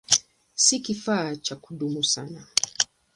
Si kifaa cha kudumu sana.